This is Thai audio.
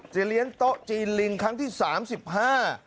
เลี้ยงโต๊ะจีนลิงครั้งที่สามสิบห้า